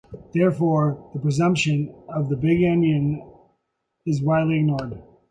Therefore, the presumption of big-endian is widely ignored.